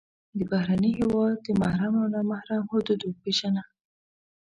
د بهرني هېواد د محرم او نا محرم حدود وپېژنه.